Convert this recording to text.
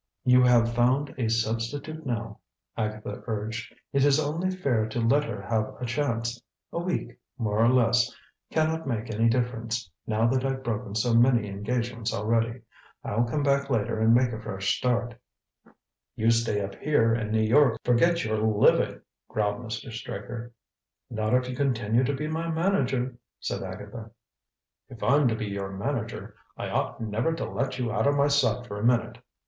"You have found a substitute now," Agatha urged. "It is only fair to let her have a chance. A week, more or less, can not make any difference, now that I've broken so many engagements already. I'll come back later and make a fresh start." "You stay up here and New York'll forget you're living!" growled Mr. Straker. "Not if you continue to be my manager," said Agatha. "If I'm to be your manager, I ought never to let you out of my sight for a minute.